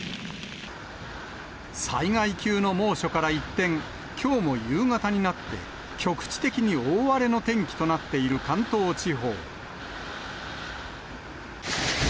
災害級の猛暑から一転、きょうも夕方になって、局地的に大荒れの天気となっている関東地方。